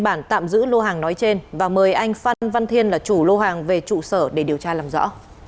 bản tạm giữ lô hàng nói trên và mời anh phan văn thiên là chủ lô hàng về trụ sở để điều tra làm rõ